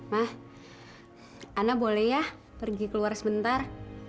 mah ana boleh ya pergi keluar sebentar